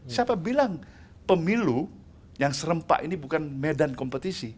siapa bilang pemilu yang serempak ini bukan medan kompetisi